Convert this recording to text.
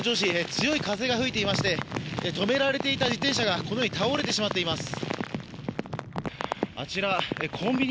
強い風が吹いていまして止められていた自転車がこのように倒れてしまっています。